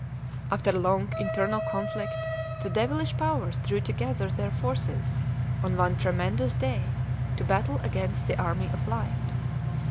After long internal conflict, the devilish powers drew together their forces on one tremendous day to battle against the army of light.